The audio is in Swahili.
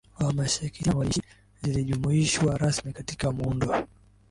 wa Meskhetian waliishi zilijumuishwa rasmi katika muundo